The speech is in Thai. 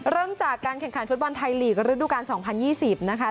เริ่มจากการแข่งขันฟุตบอลไทยลีกระดูกาล๒๐๒๐นะคะ